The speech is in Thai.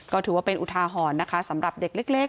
ก็ถือว่าเป็นอุทาหรณ์นะคะสำหรับเด็กเล็ก